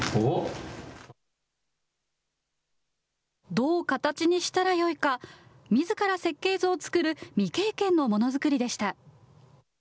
どう形にしたらよいか、みずから設計図を作る未経験のものづくりでした。